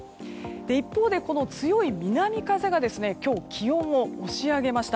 一方で強い南風が今日、気温を押し上げました。